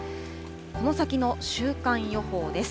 この先の週間予報です。